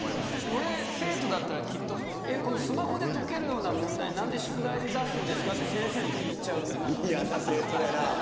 俺が生徒だったらスマホで解けるような問題何で宿題で出すんですかって先生に聞いちゃうな。